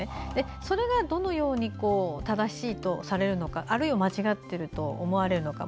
それが、どういうふうに正しいとされるかあるいは、間違っていると思われるのか。